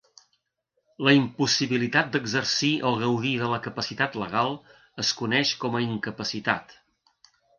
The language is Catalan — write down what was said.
La impossibilitat d'exercir o gaudir de la capacitat legal es coneix com a incapacitat.